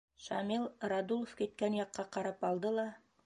Шамил Радулов киткән яҡҡа ҡарап алды ла: